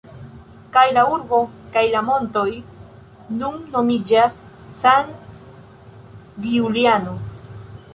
Kaj la urbo kaj la montoj nun nomiĝas San Giuliano.